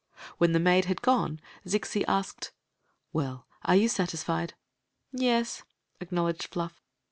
When the maid had gone Zixi asked : "Well, are you satisfied?" "Yes." acknowledged Fluff.